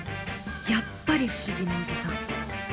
やっぱり不思議なおじさん。